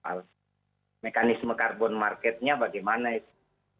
hal mekanisme karbon marketnya bagaimana itu